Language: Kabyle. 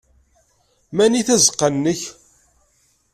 Mani tazeqqa-nnek?